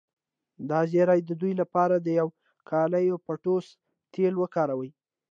د ږیرې د ودې لپاره د یوکالیپټوس تېل وکاروئ